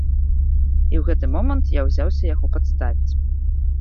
І ў гэты момант я ўзяўся яго падставіць.